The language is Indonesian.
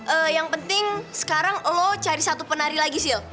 eh yang penting sekarang lo cari satu penari lagi sih